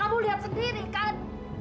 kamu lihat sendiri kan